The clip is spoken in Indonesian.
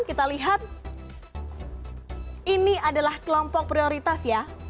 kita lihat ini adalah kelompok prioritas ya